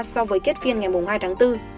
so với kết phiên ngày hai tháng bốn